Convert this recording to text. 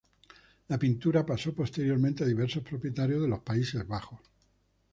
La pintura pasó posteriormente a diversos propietarios de los Países Bajos.